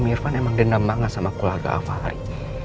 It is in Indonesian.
om irfan emang dendam banget sama keluarga al fahri